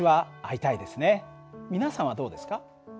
皆さんはどうですか？